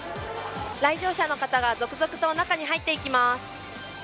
来場者の方が続々と中に入ってきます。